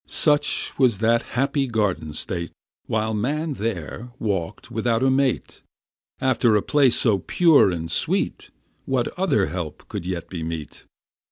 Such was that happy garden state, While man there walk'd without a mate; After a place so pure and sweet, What other help could yet be meet!